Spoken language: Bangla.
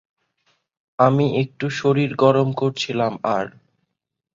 আমি একটু শরীর গরম করছিলাম আর।